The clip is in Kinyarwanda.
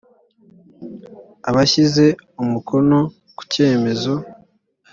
abashyize umukono ku cyemezo